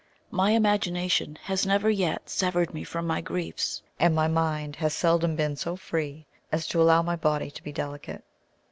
My imagination has never yet severed me from my griefs, and my mind has seldom been so free as to allow my body to be delicate.